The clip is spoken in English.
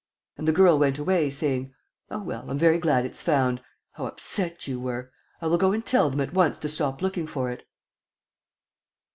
And the girl went away saying, "Oh, well, I'm very glad it's found! ... How upset you were! ... I will go and tell them at once to stop looking for it.